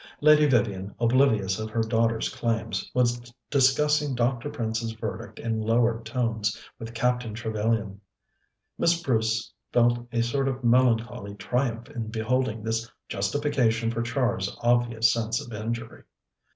Lady Vivian, oblivious of her daughter's claims, was discussing Dr. Prince's verdict in lowered tones with Captain Trevellyan. Miss Bruce felt a sort of melancholy triumph in beholding this justification for Char's obvious sense of injury.